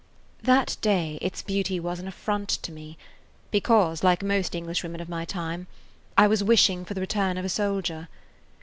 That day its beauty was an affront to me, because, like most Englishwomen of my time, I was wishing for the return of a soldier.